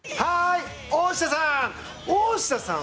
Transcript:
大下さん！